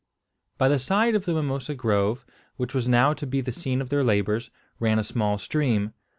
By the side of the mimosa grove, which was now to be the scene of their labours, ran a small stream.